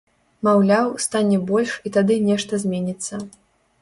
Маўляў, стане больш, і тады нешта зменіцца.